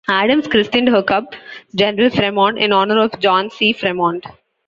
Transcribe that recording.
Adams christened her cub General Fremont, in honor of John C. Fremont.